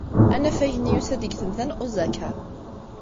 Anafag-nni yusa-d deg Temda n Osaka.